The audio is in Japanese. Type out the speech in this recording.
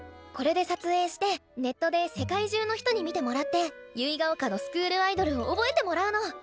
これで撮影してネットで世界中の人に見てもらって結ヶ丘のスクールアイドルを覚えてもらうの！